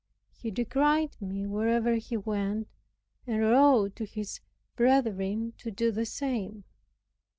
He decried me wherever he went, and wrote to his brethren to do the same.